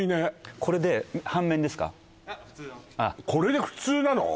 これでこれで普通なの？